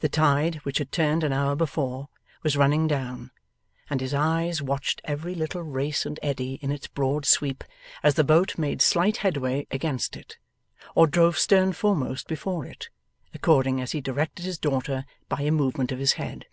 The tide, which had turned an hour before, was running down, and his eyes watched every little race and eddy in its broad sweep, as the boat made slight head way against it, or drove stern foremost before it, according as he directed his daughter by a movement of his head.